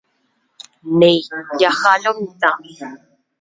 Néi, jaha lo mitã.